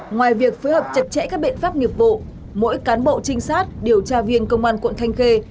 ngoài việc phối hợp chặt chẽ các biện pháp nghiệp vụ mỗi cán bộ trinh sát điều tra viên công an quận thanh khê